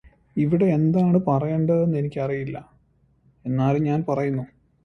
The following is selective.